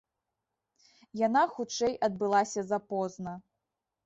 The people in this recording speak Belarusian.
Яна хутчэй адбылася запозна.